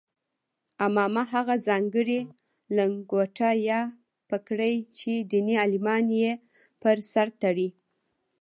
عمامه هغه ځانګړې لنګوټه یا پګړۍ چې دیني عالمان یې پر سر تړي.